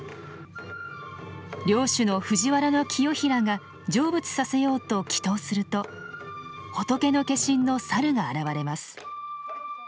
領主の藤原清衡が成仏させようと祈とうすると仏の化身の猿が現れます。